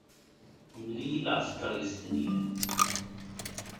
Mel-iyi lɛesker yestenyan.